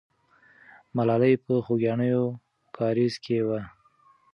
ملالۍ په خوګیاڼیو کارېز کې وه.